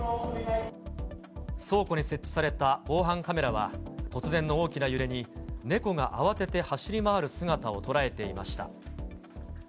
倉庫に設置された防犯カメラは、突然の大きな揺れに、猫が慌てて走り回る姿を捉えていました。